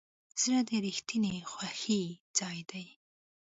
زړه د رښتینې خوښۍ ځای دی.